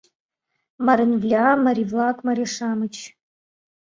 Марынвлӓ, марий-влак, марий-шамыч